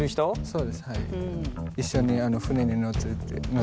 そうですはい。